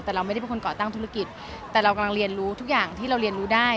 แต่เราไม่ได้เป็นคนก่อตั้งธุรกิจแต่เรากำลังเรียนรู้ทุกอย่างที่เราเรียนรู้ได้